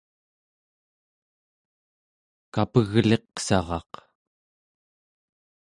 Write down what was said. kapegliqsaraq